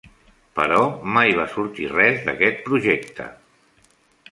Però mai va sortir res d'aquest project.